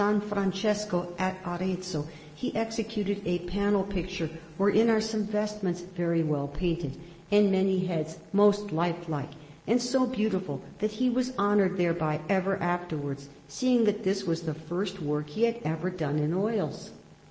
Francesco at Arezzo he executed a panel picture wherein are some vestments very well painted, and many heads most lifelike, and so beautiful that he was honoured thereby ever afterwards, seeing that this was the first work that he had ever done in oils.